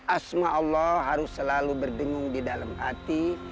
asma allah harus selalu berdengung di dalam hati